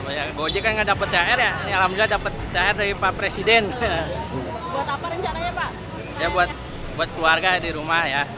buat apa rencananya pak buat keluarga di rumah ya